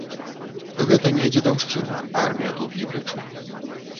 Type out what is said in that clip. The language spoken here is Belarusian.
Гэта не дзедаўшчына, армія тут ні пры чым.